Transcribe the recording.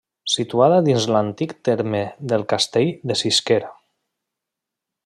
Situada dins l'antic terme del Castell de Sisquer.